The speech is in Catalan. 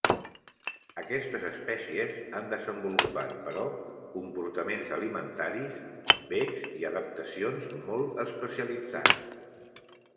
Aquestes espècies han desenvolupat però, comportaments alimentaris, becs i adaptacions molt especialitzats.